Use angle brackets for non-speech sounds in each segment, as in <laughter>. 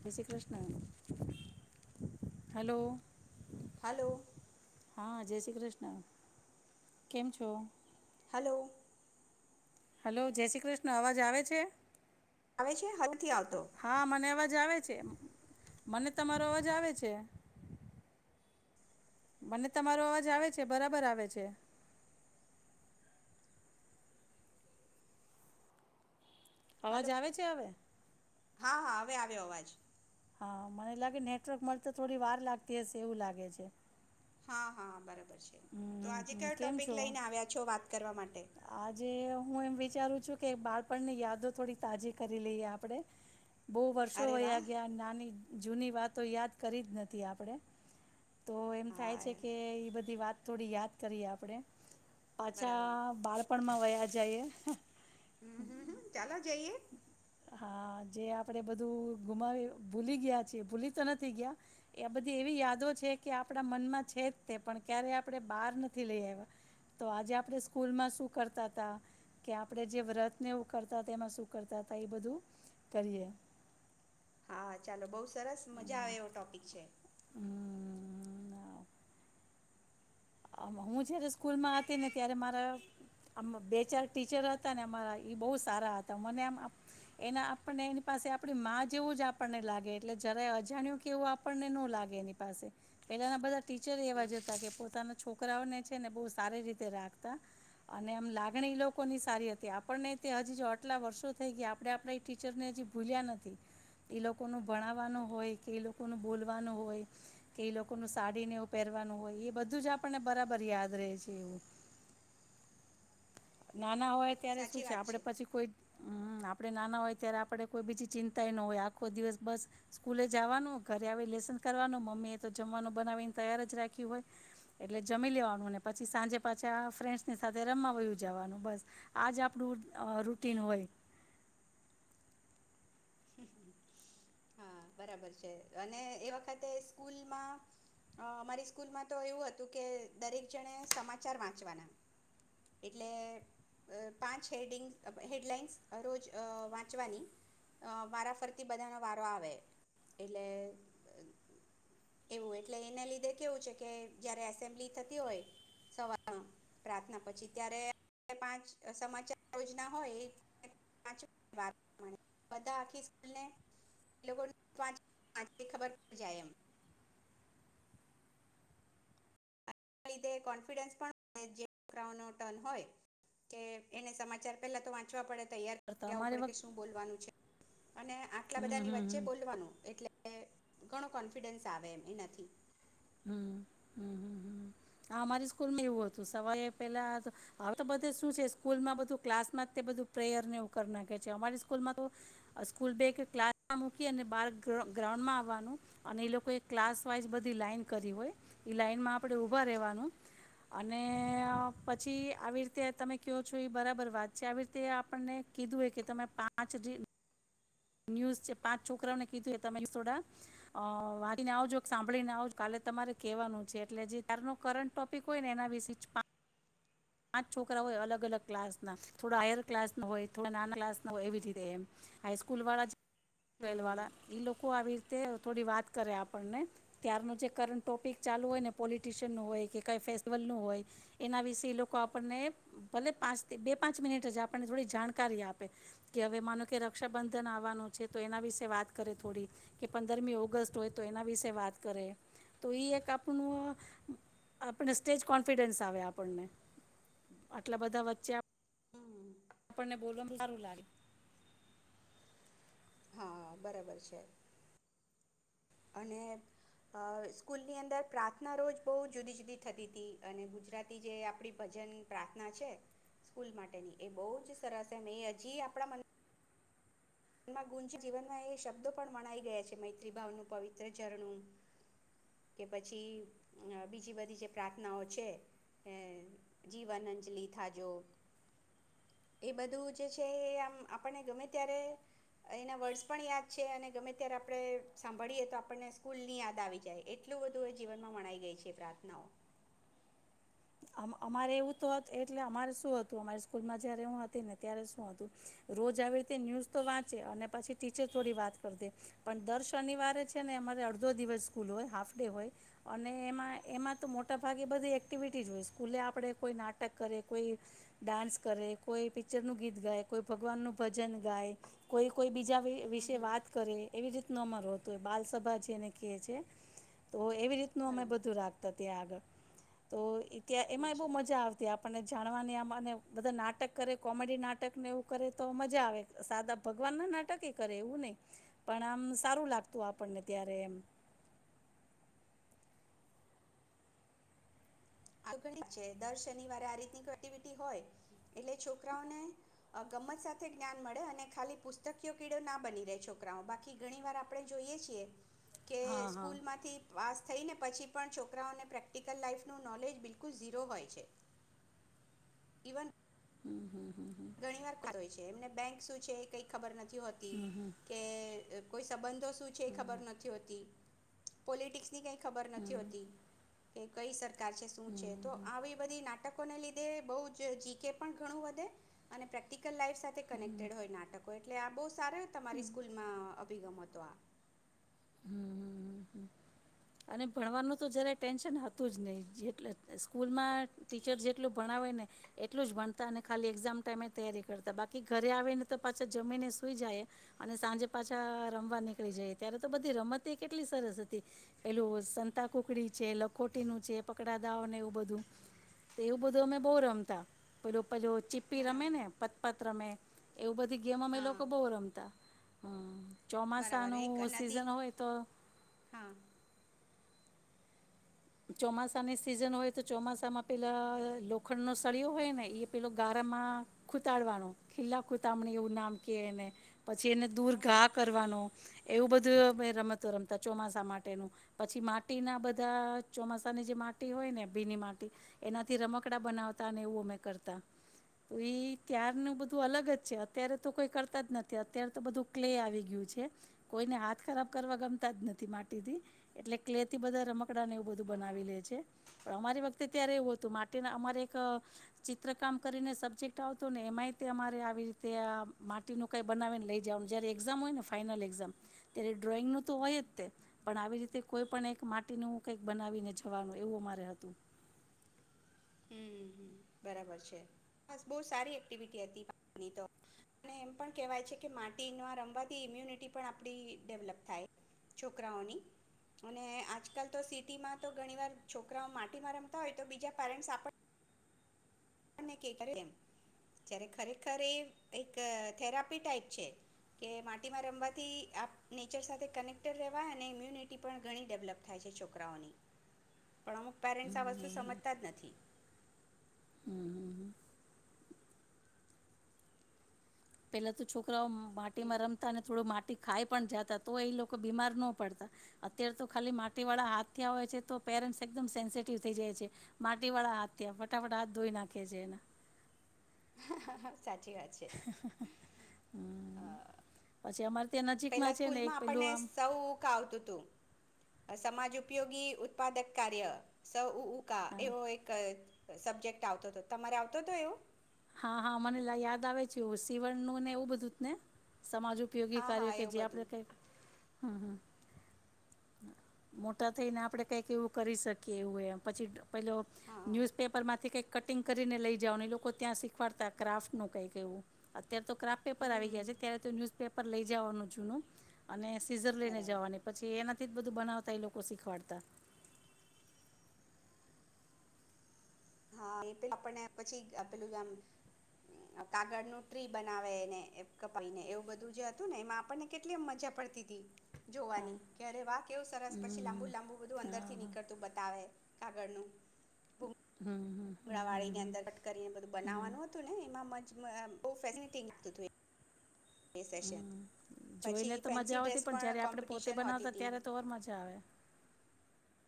જય Shri Krishna hello. Hello. હા જય શ્રી કૃષ્ણ કેમ છો? હલો હલો જય શ્રી કૃષ્ણ અવાજ આવે છે. આવે છે હવે નથી આવતો. હા મને અવાજ આવે છે મને તમારો અવાજ આવે છે. મને તમારો અવાજ આવે છે બરાબર આવે છે. અવાજ હલો આવે છે હવે? હા હા હવે આવ્યો અવાજ. હ મને લાગે નેટવર્ક મળતાથોડી વાર લાગતી હશે એવું લાગે છે. હા હા બરાબર. તો હમ આજે હમ કયો કેમ ટોપિક છો લઈને આવ્યા છો વાત કરવા માટે? આજે હું એમ વિચારું છું કે બાળપણની યાદો થોડી તાજી કરી લઈએ આપણે. બહુ વર્ષો અરે વાહ વયા ગયા નાની જૂની વાતો યાદ કરી જ નથી આપણેે તો એમ હા થાય છે કે એ બધી વાત થોડી યાદ કરીએ આપડે. બરાબર પાછા બાળપણમાં વયા જઈએ. હમ હમ હમ ચાલો જઈએ હા જે આપણે બધું ગુમાવી ભૂલી ગયા છીએ ભૂલી તો નથી ગયા એ બધી એવી યાદો છે કે આપણા મનમાં છે જ તે પણ ક્યારે આપણે બહાર નથી લઈ આવ્યા તો આજે આપણે સ્કૂલમાં શું કરતા હતા કે આપણે જે વ્રતને એવું કરતા એમાં શું કરતા હતા એ બધું કરીએ. હા ચાલો બઉ સ સરસ મજા હમ આવે એવો ટોપિક છે. હમ હું જ્યારે સ્કૂલમાં હતી ને ત્યારે મારા આમ બે ચાર ટીચર હતા ને અમારા એ બહુ સારા હતા મને આમ એના આપણને એની પાસે આપણી માં જેવું જ આપણને લાગે એટલે જરાય અજાણ્યું કેવું આપણને ન લાગે એની પાસે પહેલાના બધા ટીચર હમ, એવા જ હતા કે પોતાના છોકરાઓને છે ને બહુ સારી રીતે રાખતા અને આમ લાગણી એ લોકોની સારી હતી આપણને તે હજી જો આટલા વર્ષો થઈ ગયા આપણે આપણા ટીચરને હજી ભૂલ્યા નથી એ લોકોનું ભણાવવાનું હોય કે એ લોકોનું બોલવાનું હોય કે એ લોકોનું સાડીને એવું પહેરવાનું હોય એ બધું જ આ આપણને બરાબર યાદ રહે છે. ના ના હોય ત્યારે સાચી શું છે વાત આપડે પછી કોઈ હમ આપડે નાના હોય ત્યારે આપડે કોઈ બીજી ચિંતાય ન હોય આખો દિવસ બસ સ્કૂલે જવાનું ઘરે આવી લેસન કરવાનું મમ્મી એ તો જમવાનું બનાવીને તૈયાર જ રાખ્યું હોય એટલે જમી લેવાનુંને પછી સાંજે પાછા ફ્રેન્ડ્સની સાથે રમા જવાનું બસ આજ આપણું અ રૂટીન હોય. હા બરાબર છે અને એ વખતે સ્કૂલમાં અ મારી સ્કૂલમાં તો એવું હતું કે દરેક જણે સમાચાર વાંચવાના એટલે પાંચ હેડિંગ હેડલાઈન્સ રોજ વાંચવાની વારા ફરતી બધા વારો આવે એટલે એવું એટલે એને લીધે કેવું છે કે જયારે એસેમ્બલી થતી હોય સવાર પ્રાર્થના પછી ત્યારે પાંચ સમાચાર યોજના હોય એ બધા આખી સ્કૂલ ને એ લોકો પાંચ <unintelligible> એ લીધે કોન્ફિડન્સ પણ જે છોકરાઓ ન ટર્ન હોય કે એને સમાચાર પેલા તો વાંચવા પડે. તૈયાર તો કર આવવું અમારે પડે કે વખત શું બોલવાનું છે. અને આટલા હમ બધા ની હમ હમ વચ્ચે બોલવાનું એટલે કે ઘણો કોન્ફિડન્સ આવે એનાથી. અમારી સ્કૂલમાં એવું હતું સવા પેલા હવે તો બધું શું છે સ્કૂલમાં બધું ક્લાસમાં બધું પ્રેયર ને એવું કર નાખે છે અમારી સ્કૂલમાં તો સ્કૂલ બે ક્લાસમાં મૂકી બાર ગ્રાઉન્ડમાં આવવાનું અને એ લોકો ક્લાસ વાઈસ બધી લાઈન કરી હોય એ લાઈનમાં આપણે ઊભા રહેવાનું અને અ પછી આવી રીતે તમે ક્યો છો એ બરાબર વાત છે આવી રીતે આપણને કીધું હોય કે તમે પાંચ ન્યૂઝ છે પાંચ છોકરાઓને કીધું તમે થોડા અ વાંચીને આવજો સાંભળીને આવજો કાલે તમારે કહેવાનું છે એટલે જે તાર નો કરંટ ટોપિક હોય ને એના વિશે પાં પાંચ છોકરા હોય અલગ અલગ ક્લાસના થોડા હાયર ક્લાસના હોય થોડા નાના ક્લાસના હોય એવી રીતે એમ હાઈસ્કૂલ વાળા હમ <unintelligible> હમ વાળા ઈ લોકો આવી તે થોડી વાત કરે આપણને ત્યારનું જે કરટ ટોપિક ચાલુ હોય ને પોલિટિશિયનનું હોય કે કઈ ફેસ્ટિવલનું હોય એના વિશે એ લોકો આપણને ભલે પાંચ બે પાંચ મિનિટ જ આપણને થોડી જાણકારી આપે કે હવે માનો કે રક્ષાબંધન આવવાનું છે તો એના વિશે વાત કરે થોડી કે પંદરમી ઓગસ્ટ હોય તો એના વિશે વાત કરે તો એક આપણું આપને સ્ટેજ કોન્ફિડન્સ આવે આપણને આટલા બધા વચ્ચે હમ આપણને બોલવા હારું લાગે. હા બરાબર છે અને અ સ્કૂલની અંદર પ્રાર્થના રોજ બહુ જુદી જુદી થતી તી હતી અને ગુજરાતી જે આપડી ભજન પ્રાર્થના છે સ્કૂલ માટેની એ બહુ જ સરસ એ એ હજી આપણા મ ન ગુંજી જીવનમાં એ શબ્દો પણ વણાઈ ગયા છે મૈત્રી ભાવનું પવિત્ર ઝરણું કે પછી બીજી બધી જે પ્રાર્થનાઓ છે જીવન અંજલિ થાજો એ બધું જે છે એ આમ આપને ગમે ત્યારે એના વર્ડસ પણ યાદ છે અને ગમે ત્યારે આપણે સાંભળીએ તો આપણને સ્કૂલ ની યાદ આવી જાય એટલું બધું એ જીવનમાં વણાઈ ગઈ છે પ્રાર્થનાઓ. અમ અમારે એવું તોત એટલે અમારે શું હતું અમારી સ્કૂલમાં જયારે એ હતી ને ત્યારે શું હતું રોજ આવી રીતે ન્યૂઝ તો વાંચે અને પછી ટીચર થોડી વાત કર દે પણ દર શનિવારે છે ને અમારે અડધો દિવસ સ્કૂલ હોય હાફ ડે હોય અને એમાં એમાં તો મોટાભાગે બધી એક્ટિવિટી જ હોય. સ્કૂલે આપડે કોઈ નાટક કરે કોઈ ડાન્સ કરે કોઈ પિક્ચર નું ગીત ગાય કોઈ ભગવાન નું ભજન ગાય કોઈ કોઈ બીજા હમ વિશે હમ વાત કરે. એવી રીત ન અમારો હતો એ બાલ સભા જેને કીએ છે તો એવી રીતનું અમે બરાબર બધું રાખતા ત્યાં આગળ. તો ઈ ત્યાં એમાં અચ્છા બહુ મજા આવતી આપણને જા ભણવાની આમ અને બધા નાટક કરે કોમેડી નાટક ને એવું કરે તો મજા આવે સાદા ભગવાન ના નાટકે એ કરે એવું નહી પણ આમ સારું લાગતું આપણને ત્યારે એમ <unintelligible> છે દર શનિવારે આ રીતની ગતિવિધિ હોય એટલે છોકરાઓને ગમત સાથે જ્ઞાન મળે અને ખાલી પુસ્તકયો કીડો ના બની રહે છોકરાઓ બાકી ઘણી વાર આપણે જોઈએ છીએ. કે હા હા સ્કૂલમાંથી પાસ થઈ ને પછી પણ છોકરાઓને પ્રેક્ટિકલ લાાઈફનું નોલેજ બિલકુલ ઝીરો હોય છે. ઇવન હમ હમ હમ ઘણીવાર વાર હોય એમને બેંક શું છે એ કઈ ખબર નથી. <unintelligible> કોઈ સંબંધ તો શું છે એ ખબર નથી હોતી. પોલિટિક્સ ની કંઈ ખબર નથી હમ હોતી. કે કઈ સરકાર શું છે તો આવી બધી નાટક ને લીધે બહુ જ જીકે પણ ઘણું વધે અને પ્રેક્ટિક લાઈફ સાથે કનેક્ટેડ હોય નાટકો. એટલે આ બહુ <unintelligible> તમારી સ્કૂલમાં <unintelligible> <inaudible> અને ભણવાનું તો જયારે ટેન્શન હતું જ નહી જેટલે સ્કૂલમાં ટીચર જેટલું ભણાવે ને એટલું જ ભણતા અને ખાલી એક્ઝામ ટાઈમે તૈયારી કરતા બાકી ઘરે આવીને તો પાછા જમીને સુઈ જાય અને સાંજે પાછા રમવા નીકળી જાય ત્યારે તો બધી રમત કેટલી સરસ હતી. પેલું સંતા કુકડી છે લખોટી નું છે પકડા દાઓ ને એવું બધું તો એવું બધું અમે બહુ રમતા પેલો પ ચીપી રમે બરાબર ને પતપત તમે એવું બધું ગેમ અમે હા લોકો બહુ રમતા. હા. ચોમાસા બરાબર એક નું નદી સીઝન હોય તો હા ચોમાસાની સિઝન હોય તો ચોમાસામાં પેલા લોખંડનો સળિયો હોય ને એ પેલો ગારામાં ખૂતાંડવાનો ખીલા ખૂતાંમણી એવું નામ કેને. પછી એને દૂર હમ ઘા કરવાનો એવું બધું રમતો રમતા. ચોમાસા માટેનું. પછી માટીના બધા ચોમાસાની જે માટી હોય ને ભીની માટી એનાથી રમકડા બનાવતા ને એવું અમે કરતા. તો ત્યારનું બધું અલગ જ છે. અત્યારે તો કોઈ કરતા જ નથી. અત્યારે તો બધું ક્લે આવી ગયું છે. કોઈને હાથ ખરાબ કરવા ગમતા જ નથી માટીથી. એટલે ક્લેથી બધા રમકડાં ને એવું બધું હા બનાવી લે છે. પણ અમારી વખતે ત્યારે એવું હતું. માટીના અમારે એક ચિત્રકામ કરીને સબ્જેક્ટ આવતો ને. એમાં અરે આવી રીતે માટીનું કઈક બનાવી લઈ જવાનું. જ્યારે એક્ઝામ હોય ને ફનલામ ત્યારે ડ્રોઈંગ ન તો હોય જ. પણ આવી રીતે કોઈ પણ માટીનું કઈક બનાવીને જવાનું એવું મારે હતું. હમ બરાબર છે. બસ બહુ સારી એક્ટિવિટી હતી ની તો. અને એમ પણ કહેવાય છે કે માટીમાં રમવાથી ઈમ્યુનિટી પણ આપડી ડેવલપ થાય છોકરાઓની. અને આજકાલ તો સિટીમાં તો ઘણી વાર છોકરાઓ માટીમાં રમતા હોય તો બીજા પેરેન્ટ્સ <unintelligible> <inaudible> જ્યારે ખરેખર એ એક થેરપી ટાઈપ છે કે માટીમાં રમવાથી આપ નેચર સાથે કનેક્ટેડ રહેવાય. અને ઇમ્યુનિટી પણ ઘણી ડેવલપ થાય છે છોકરાઓની. પણ અમુક પેરેન્ટ્સ આ વસ્તુ સમજતા જ નથી. પેલા તો <unintelligible> <inaudible> માટી માં રમતા અને થોડો માટી તે ખાઈ પણ જાતા. તો એ લોકો બીમાર ના પડતા. અત્યારે તો ખાલી માટીવાળા હાથ થયા હોય છે તો પેરેન્ટ્સ એકદમ સેન્સિટિવ થઈ જાય છે. માટીવાળા હાથ થયા. ફટાફટ હાથ ધોઈ નાખે છે એના હા હા હા. <unintelligible> હમ પછી અમાર પેલા સ્કૂલમાં આપણને સઉક આવતું હતું. અ સમાજો ઉપયોગી ઉત્પાદક કાર્ય સઉક કા આમ એવો એક સબ્જેક્ટ આવતો હતો તમારે આવતો હતો એવું? હા હા મને યાદ આવે છે શિવણનું ને એવું બધું જ ને? સમાજ ઉપયોગી હા હા કાર્યો કે એવું જે બધું આપડ કઈ હમમ હમમ. મોટા થઈને આપડે કઈક એવું કરી શકીએ એવું એમ પછી પેલો હા ન્યુઝપેપર માંથી કઈ કટિંગ કરીને લઈ જવાની લોકો ત્યાં શીખ <unintelligible> ક્રાફ્ટ નું કઈક એવું. અત્યારે તો ક્રાફટ પેપર હમ આવી હમ ગયા છે ત્યારે તો ન્યૂઝ પેપર લઈ જવાનું જુનું અને સીઝર લઈને બરાબર જવાની પછી એના તેજ બધું બનાવતા એ લોકો શીખવાડતા. હા એ તે આપણેને પછી પેલું જેમ કાગળ નું ટ્રી બનાવેને કપાઈને એવું બધું જે હતું ને એમાં આપણને કેટલી મજા પડતી હતી હા જોવાની કે અરે વા કે એવું સરસ પછી લાંબુ હમ લાંબુ બધું અંદર હા થી હા નીકળતું બતાવે કાગળનું મળાવાળડીની અંદર કટ કરીને બધું બનાવવાનું હતું ને એમાં <inaudible> બહુ ફેસિલિટી <inaudible> હતું. એ સેશન જોઈ ને પછી તો મજા ફેન્સી ડ્રેસ આવતી પણ જયારે આપડે પોતે કોમ્પિટિશન હોતી બનાવતા હતી ત્યારે તો ઓર મજા આવે.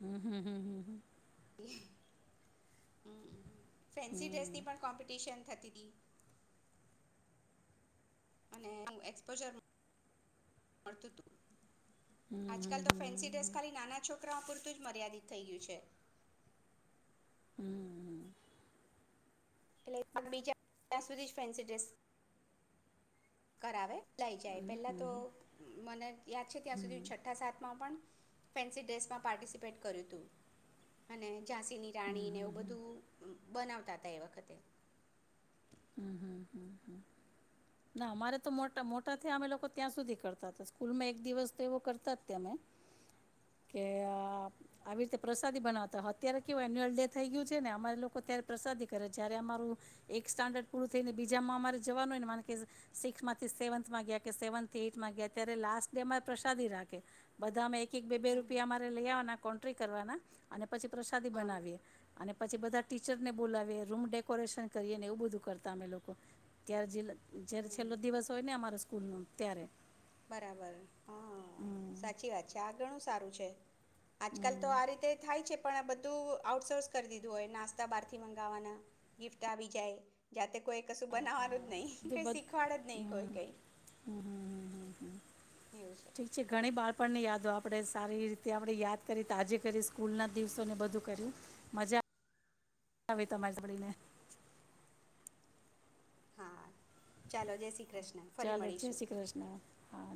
હમમ હમમ હમમ હમમ હમમ. હમમ <inaudible> ફેન્સી ડ્રેસની પણ કોમ્પિટિશન થતી દૂર અને અંમ એક્સપોજર, મળતું હતું. હમ હમ આજકાલ તો હમ ફેન્સી ડ્રેસ ખાલી નાના છો શ્રમ પૂરતું જ મર્યાદિત થઈ ગયું છે. હું હું હું. એટલે અંમ, બીજા ત્યાં સુધી જ ફેન્સી ડ્રેસ, કરાવે. લઈ જાય પહેલાં તો, મને યાદ છે. ત્યાં સુધી છઠ્ઠા સાતમાં પણ ફેન્સી ડ્રેસમાં પાર્ટિસિપેટ કર્યું તું, અને ઝાંસીની રાણીને એવું બધું બનાવતા તા એ વખત. ના અમારે તો મોટા મોટા થયા અમે લોકો ત્યાં સુધી કરતા હતા સ્કૂલમાં એક દિવસ તો એવો કરતા જ ત અમે કે આવી રીતે પ્રસાદી બનાવતા અત્યારે કેવું એન્યુઅલ ડે થઇ ગયું છે ને અમા લોકો ત્યારે પ્રસાદી કરે જયારે અમારું એક સ્ટાન્ડર્ડ પૃથ્વી બીજામાં માંરે જવાનું ને મારકીજ, સિક્થ માંથી સેવન્થમાં ગયા કે સેવન્થ થી એઈમાં ગયા ત્યારે લાસ્ટ ડે અરે પ્રસાદી રાખે, બધા અમે એક બે-બે હમ રૂપિયામાં મારે લયાવાના કોન્ટ્રી કરવાના અને પછી પ્રસાદી હા બનાવીએ. અને પછી બધા ટીચર ને બોલાવીએ, રૂમ ડેકોરેશન કરીએ ને એવું બધું કર તમે લોકો, ત્યાં જીલ જયારે હમ છેલ્લો, દિવસ હોય ને અમારે સ્કૂલનો ત્યારે બરાબર હા, હમ સાચી વાત છે. આગણું સારું છે આજ કાલ તો હમ આ રીતે થાય છે પણ બધું આઉટસોર્સ કરી દીધું હોય, નાસ્તા બહારથી મંગાવવાના, ગિફ્ટ આવી જાય જાતે કોઈ કશું બનાવાનું જ નહીં, બધું કંઈ બધ શીખવાડ જ નહીં, કોઈ હમ કંઈ હમ હમ હમ હમ ઠીક છે, ઘણી બાળપણને યાદ તો આપણે સારી રીતે આમ ને યાદ કરી, તો‌ આજે કરી સ્કૂલ ના દિવસોને બધું કર્યું, મજા, તમાર સભી ને હા, ચાલો બેસી ચાલો, જય શ્રી કૃષ્ણ, હા.